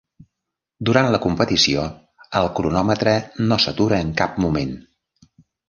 Durant la competició, el cronòmetre no s'atura en cap moment.